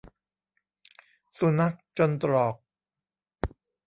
สุนัขจนตรอก